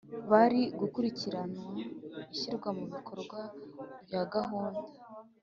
Bari gukurikirana ishyirwa mu bikorwa rya gahunda.